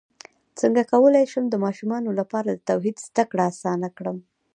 څنګه کولی شم د ماشومانو لپاره د توحید زدکړه اسانه کړم